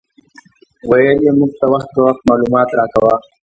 ویل یې موږ ته وخت په وخت معلومات راکاوه.